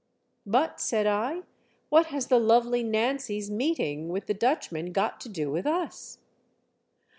"But," said I, "what has the Lovely Nancy's meeting with the Dutchman got to do with us